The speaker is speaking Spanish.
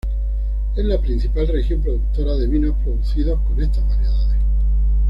Es la principal región productora de vinos producidos con estas variedades.